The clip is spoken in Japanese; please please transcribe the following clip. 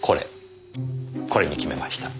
これに決めました。